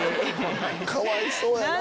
かわいそうやのう。